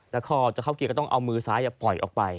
แล้วคอจะเข้าเกียร์ก็ต้องเอามือซ้ายปล่อยออกไป